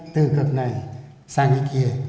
từ cực này sang cái kia